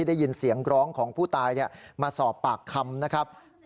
ได้ยินเสียงร้องของผู้ตายมาสอบปากคำนะครับ